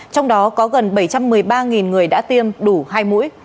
trong đó có gần bảy trăm một mươi ba người đã tiêm đủ hai mũi